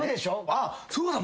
あっそうだ！